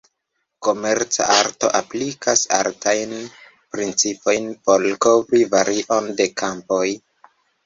Komerca arto aplikas artajn principojn por kovri varion de kampoj.